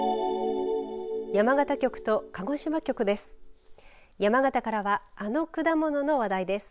山形局と鹿児島局です。